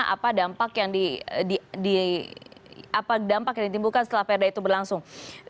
apa dampak yang ditimbulkan setelah perda itu berlangsung